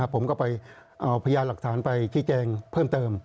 ผมก็ไปเอาพยานหลักฐานไปชี้แจงเพิ่มเติม